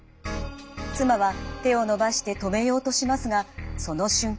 妻は手を伸ばして止めようとしますがその瞬間。